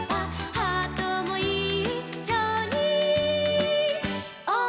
「ハートもいっしょにおどるよ」